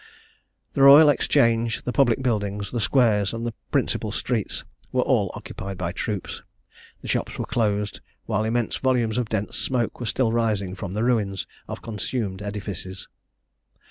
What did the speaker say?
The Royal Exchange, the public buildings, the squares, and the principal streets, were all occupied by troops; the shops were closed; while immense volumes of dense smoke were still rising from the ruins of consumed edifices.